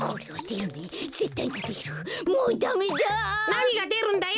なにがでるんだよ！